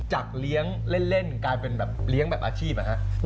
จากเลี้ยงเล่นกลายเป็นแบบเลี้ยงแบบอาชีพนะครับ